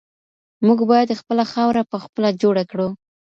موږ باید خپله خاوره پخپله جوړه کړو.